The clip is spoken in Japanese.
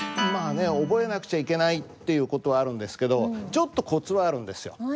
まあね覚えなくちゃいけないっていう事はあるんですけどちょっとコツはあるんですよ。